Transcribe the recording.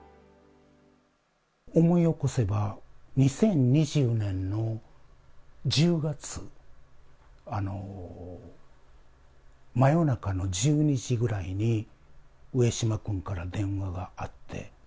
思い起こせば、２０２０年の１０月、真夜中の１２時ぐらいに、上島君から電話があって。